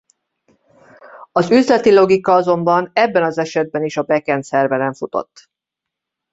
Az üzleti logika azonban ebben az esetben is a Back-End szerveren futott.